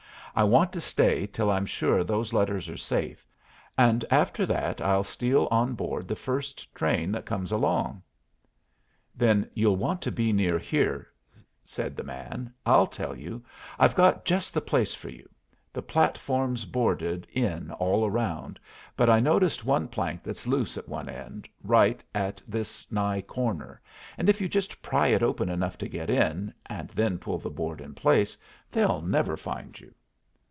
"I want to stay till I'm sure those letters are safe, and after that I'll steal on board the first train that comes along." "Then you'll want to be near here," said the man. "I'll tell you, I've got just the place for you. The platform's boarded in all round, but I noticed one plank that's loose at one end, right at this nigh corner, and if you just pry it open enough to get in, and then pull the board in place, they'll never find you."